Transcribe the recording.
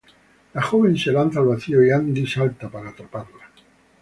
La joven se lanza al vacío y Andy salta para atraparla.